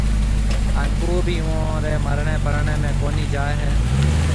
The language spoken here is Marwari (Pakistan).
ھان ڪو ڀِي اوئون ري مرڻيَ پرڻيَ ۾ ڪونِي جائيَ